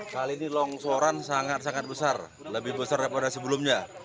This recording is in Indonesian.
kali ini longsoran sangat sangat besar lebih besar daripada sebelumnya